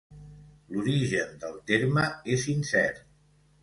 L'origen del terme és incert.